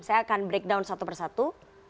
saya akan breakdown satu persatu